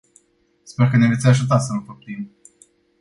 Sper că ne veți ajuta să-l înfăptuim.